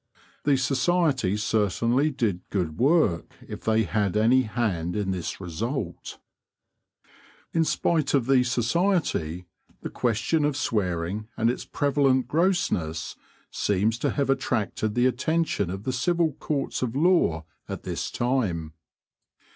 The society certainly did good work if they had any hand in this result. In spite of the society, the question of swearing and its prevalent grossness seems to have attracted the attention of the civil courts of law at this time.